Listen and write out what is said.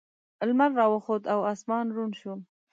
لمر راوخوت او اسمان روڼ شو.